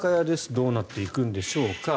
どうなっていくんでしょうか。